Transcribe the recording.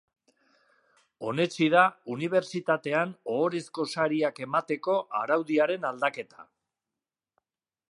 Onetsi da unibertsitatean ohorezko sariak emateko araudiaren aldaketa.